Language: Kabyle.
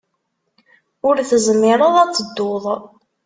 Ur tezmireḍ ad tedduḍ.